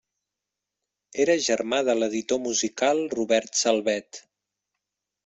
Era germà de l'editor musical Robert Salvet.